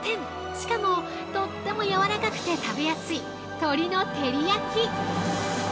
しかも、とってもやわらかくて食べやすい鶏の照り焼き。